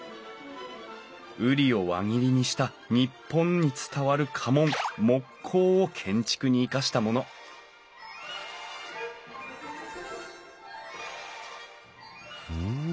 瓜を輪切りにした日本に伝わる家紋木瓜を建築に生かしたものふん。